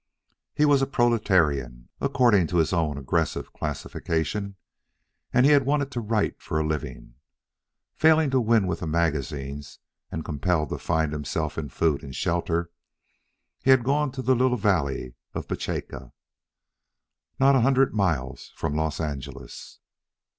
He was a proletarian, according to his own aggressive classification, and he had wanted to write for a living. Failing to win with the magazines, and compelled to find himself in food and shelter, he had gone to the little valley of Petacha, not a hundred miles from Los Angeles.